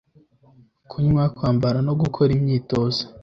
kunywa kwambara no gukora imyitozo